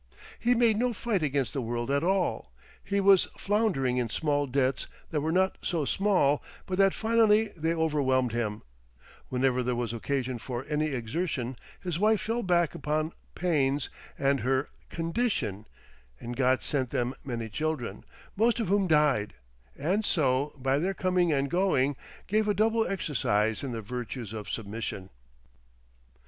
He made no fight against the world at all, he was floundering in small debts that were not so small but that finally they overwhelmed him, whenever there was occasion for any exertion his wife fell back upon pains and her "condition," and God sent them many children, most of whom died, and so, by their coming and going, gave a double exercise in the virtues of submission.